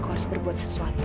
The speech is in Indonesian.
aku harus berbuat sesuatu